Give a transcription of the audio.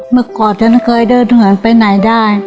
เมื่อก่อนฉันเคยเดินเหินไปไหนได้